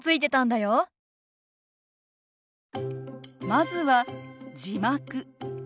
まずは「字幕」。